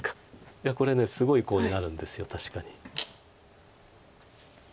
いやこれすごいコウになるんです確かに。